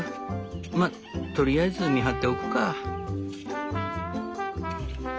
まとりあえず見張っておくか」。